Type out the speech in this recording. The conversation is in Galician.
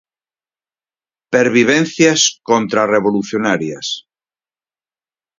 'Pervivencias contrarrevolucionarias'.